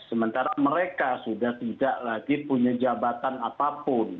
sementara mereka sudah tidak lagi punya jabatan apapun